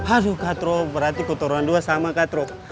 aduh kak tro berarti kamu berdua sama kak tro